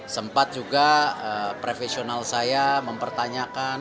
sempat juga profesional saya mempertanyakan